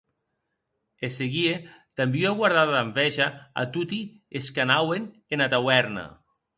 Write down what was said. E seguie damb ua guardada d’enveja a toti es qu’anauen ena tauèrna.